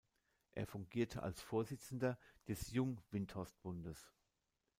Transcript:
Er fungierte als Vorsitzender des Jung-Windthorstbundes.